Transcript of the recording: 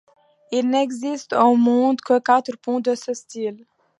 Il n'existe au monde que quatre ponts de ce style.